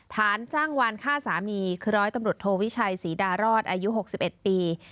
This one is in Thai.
ฐานจ้างวานฆ่าสามีคือร้อยตำรวจโทวิชัยศรีดารอดอายุ๖๑ปี